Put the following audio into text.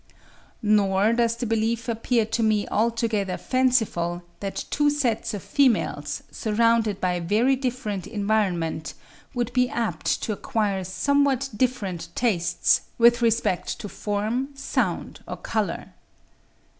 Nor does the belief appear to me altogether fanciful that two sets of females, surrounded by a very different environment, would be apt to acquire somewhat different tastes with respect to form, sound, or colour.